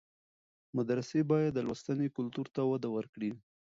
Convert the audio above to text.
مدرسې باید د لوستنې کلتور ته وده ورکړي.